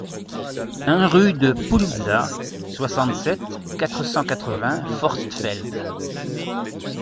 un rue de Poulouzat, soixante-sept, quatre cent quatre-vingts, Forstfeld